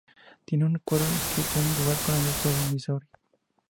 Tiene un acuerdo de inscripción dual con la Universidad de Missouri-St.